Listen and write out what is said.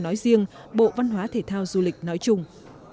nói riêng bộ văn hóa thể thao du lịch nói chung